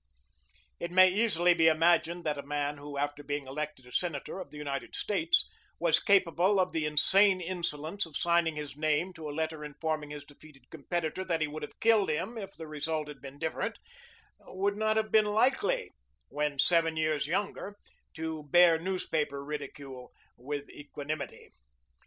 ] It may easily be imagined that a man who, after being elected a Senator of the United States, was capable of the insane insolence of signing his name to a letter informing his defeated competitor that he would have killed him if the result had been different, would not have been likely, when seven years younger, to bear newspaper ridicule with equanimity.